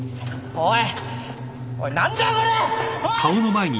おい！